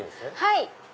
はい。